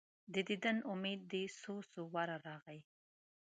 د دیدن امید دي څو، څو واره راغلی